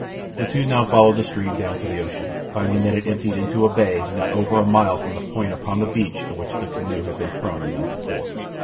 The two now followed the stream down to the ocean, finding that it emptied into a bay not over a mile from the point upon the beach at which the canoe had been thrown the night before.